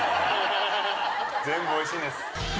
全部美味しいんです。